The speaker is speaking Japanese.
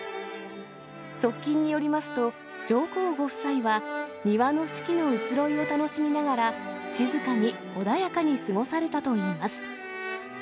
側近によりますと、上皇ご夫妻は、庭の四季の移ろいを楽しみながら、静かに穏やかに過ごされたといいます。